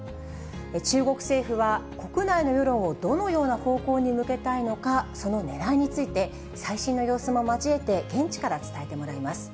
中国政府は国内の世論をどのような方向に向けたいのか、そのねらいについて、最新の様子も交えて、現地から伝えてもらいます。